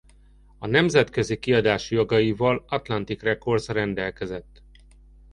A nemzetközi kiadás jogaival Atlantic Records rendelkezett.